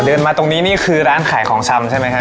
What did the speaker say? มาตรงนี้นี่คือร้านขายของชำใช่ไหมฮะ